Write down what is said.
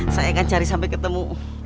saya akan cari sampai ketemu